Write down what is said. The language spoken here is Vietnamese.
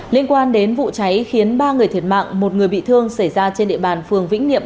liên quan đến vụ cháy khiến ba người thiệt mạng một người bị thương xảy ra trên địa bàn phường vĩnh niệm